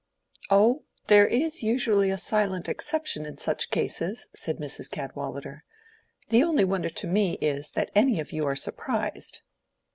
"Oh, there is usually a silent exception in such cases," said Mrs. Cadwallader. "The only wonder to me is, that any of you are surprised.